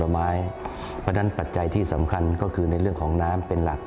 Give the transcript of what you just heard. เพราะฉะนั้นปัจจัยที่สำคัญก็คือในเรื่องของน้ำเป็นหลัก